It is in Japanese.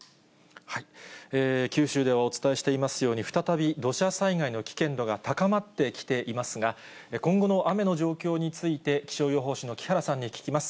九州ではお伝えしていますように、再び土砂災害の危険度が高まってきていますが、今後の雨の状況について、気象予報士の木原さんに聞きます。